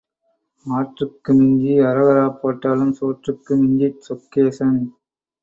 ஆற்றுக்கு மிஞ்சி அரஹராப் போட்டாலும் சோற்றுக்கு மிஞ்சித் சொக்கேசன்.